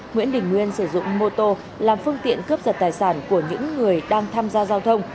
nguyễn đình nguyên sử dụng mô tô làm phương tiện cướp giật tài sản của những người đang tham gia giao thông